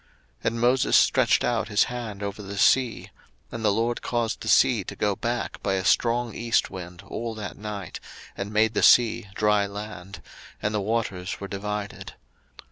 02:014:021 And Moses stretched out his hand over the sea; and the LORD caused the sea to go back by a strong east wind all that night, and made the sea dry land, and the waters were divided.